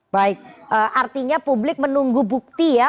baik artinya publik menunggu bukti ya